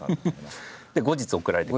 後日送られてくる？